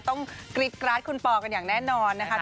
ต้องกริดกราศคุณปอล์กันอย่างแน่นอนนะฮะ